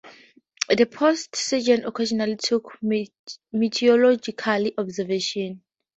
The Post Surgeon occasionally took meteorological observations.